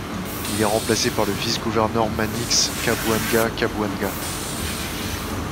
Il est remplacé par le vice-gouverneur Manix Kabuanga Kabuanga.